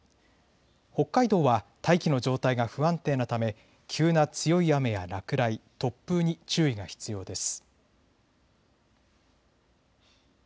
北海道は大気の状態が不安定なため急な強い雨や落雷、突風に注意が必要です。